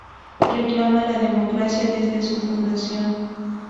Reclama la democracia desde su fundación.